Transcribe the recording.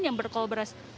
yang berkolaborasi dengan